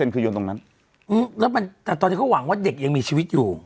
คือยนต์ตรงนั้นแล้วมันแต่ตอนนี้เขาหวังว่าเด็กยังมีชีวิตอยู่